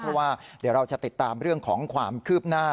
เพราะว่าเดี๋ยวเราจะติดตามเรื่องของความคืบหน้า